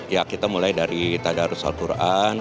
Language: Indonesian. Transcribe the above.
ya kita mulai dari tadarussal quran